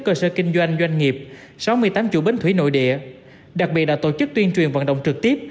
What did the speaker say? cơ sở kinh doanh doanh nghiệp sáu mươi tám chủ bến thủy nội địa đặc biệt đã tổ chức tuyên truyền vận động trực tiếp